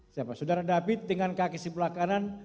siapa saudara david dengan kaki sebelah kanan